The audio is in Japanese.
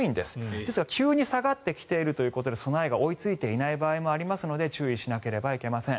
ですが急に下がってきているということで備えが追いついていない場合もありますので注意しなければいけません。